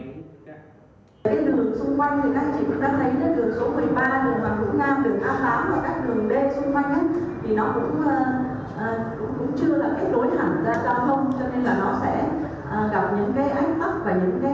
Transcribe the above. hãy đi một số do ăn bb